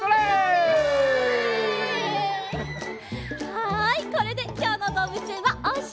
はいこれできょうのどうぶつえんはおしまい。